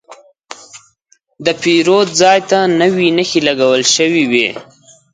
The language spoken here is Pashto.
د پیرود ځای ته نوې نښې لګول شوې وې.